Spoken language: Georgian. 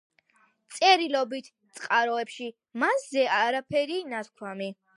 წერილობით წყაროებში მასზე არაფერია ნათქვამი.